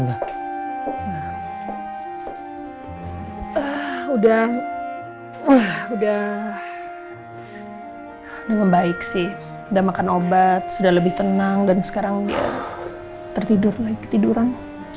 udah udah udah membaik sih udah makan obat sudah lebih tenang dan sekarang tertidur lagi ketiduran